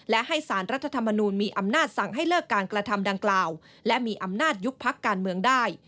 และให้สารรัฐธรรมนูลมีอำนาจสั่งให้เลิกการกระทำดังกล่าวและมีอำนาจยุบพักการเมืองได้